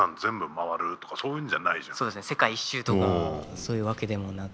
世界一周とかそういうわけでもなく。